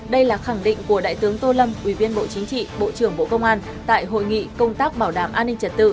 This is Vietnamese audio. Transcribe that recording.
đây là khẳng định của đại tướng tô lâm ủy viên bộ chính trị bộ trưởng bộ công an tại hội nghị công tác bảo đảm an ninh trật tự